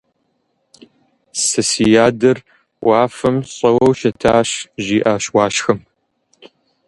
Сэ си адэр уафэм щӀэуэу щытащ, - жиӀащ Уашхэм.